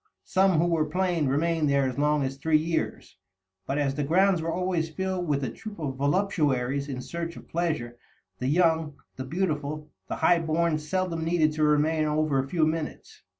Some, who were plain, remained there as long as three years; but, as the grounds were always filled with a troop of voluptuaries in search of pleasure, the young, the beautiful, the high born seldom needed to remain over a few minutes.